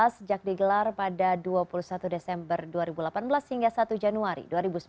sejak digelar pada dua puluh satu desember dua ribu delapan belas hingga satu januari dua ribu sembilan belas